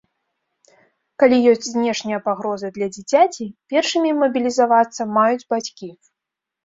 Калі ёсць знешняя пагроза для дзіцяці, першымі мабілізавацца маюць бацькі.